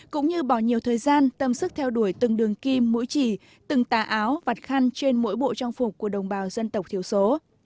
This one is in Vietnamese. cũng như bỏ nhiều thời gian tâm sức theo đuổi từng đường kim mũi chỉ từng tà áo vặt khăn trên mỗi bộ trang phục của đồng bào dân tộc thiểu số